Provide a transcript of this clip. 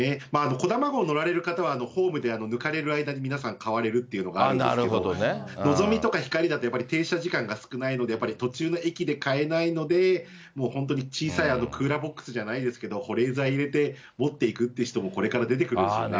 こだま号乗られる方はホームで抜かれる間に皆さん買われるっていうのがあるんですけど、のぞみとかひかりだと、やっぱり停車時間が少ないので、やっぱり途中の駅で買えないので、もう本当に小さいクーラーボックスじゃないですけど、保冷剤入れて持っていくという人もこれから出てくるでしょうね。